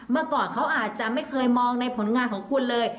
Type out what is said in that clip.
เมื่อก่อนเขาอาจจะไม่เคยมองในผลงานของคุณเลย